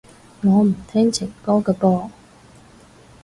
我唔聽情歌㗎噃